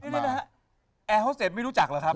นี่นะฮะแอร์ฮอสเต็ดไม่รู้จักเหรอครับ